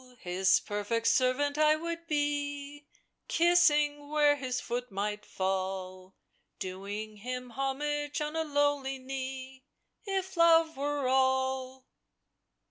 His perfect servant I would be, Kissing v^iere his foot might fall, Doing him homage on a lowly knee, If Love were all